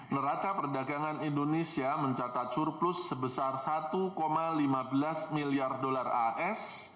neraca perdagangan indonesia mencatat surplus sebesar satu lima belas miliar dolar as